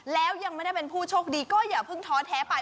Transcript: แล้วยังไม่ได้เป็นผู้โชคดีก็อย่าเพิ่งท้อแท้ไป